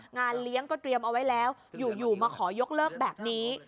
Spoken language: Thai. งานเลี้ยงก็เตรียมเอาไว้แล้วอยู่มาขอยกเลิกแบบนี้